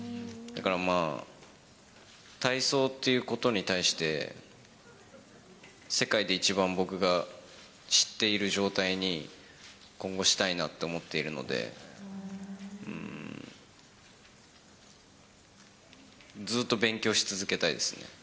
だからまあ、体操っていうことに対して、世界で一番僕が知っている状態に、今後したいなと思っているので、ずっと勉強し続けたいですね。